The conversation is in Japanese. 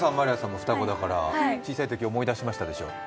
双子だから、小さいとき思い出しましたでしょ？